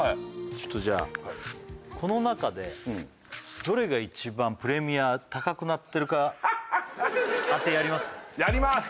ちょっとじゃあこの中でどれが一番プレミア高くなってるか当てやります？